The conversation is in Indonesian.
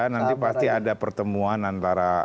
nanti pasti ada pertemuan antara